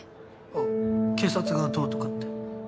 あっ警察がどうとかって。